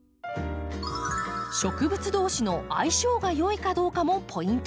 植物同士の相性が良いかどうかもポイント。